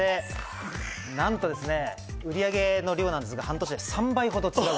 なんと売上の量ですが、半年間で３倍ほど違う。